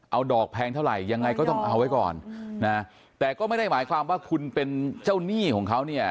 เอาดอกแพงเท่าไหร่ยังไงก็ต้องเอาไว้ก่อนนะแต่ก็ไม่ได้หมายความว่าคุณเป็นเจ้าหนี้ของเขาเนี่ย